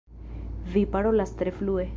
Vi parolas tre flue.